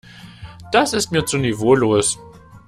Das ist mir zu niveaulos.